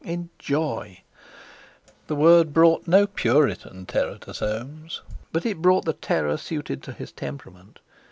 Enjoy! The word brought no puritan terror to Soames; but it brought the terror suited to his temperament.